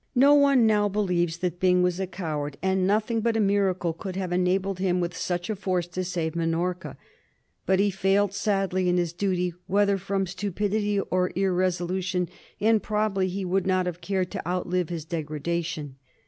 No one now believes that Byng was a coward ; and nothing but a miracle could have enabled him with such a force to save Minorca. But he failed sadly in his duty, whether from stupidity or irresolution, and probably he would not have cared to outlive his degradation.